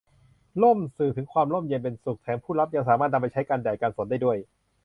ร่ม สื่อถึงความร่มเย็นเป็นสุข แถมผู้รับยังสามารถนำไปใช้กันแดด กันฝนได้อีกด้วย